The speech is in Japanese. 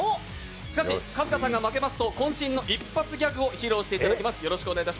しかし、春日さんが負けますとこん身の一発ギャグを披露していただきます。